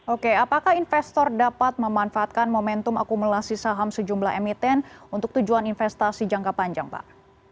oke apakah investor dapat memanfaatkan momentum akumulasi saham sejumlah emiten untuk tujuan investasi jangka panjang pak